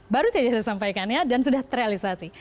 baru saja saya sampaikan ya dan sudah terrealisasi